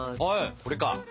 これか。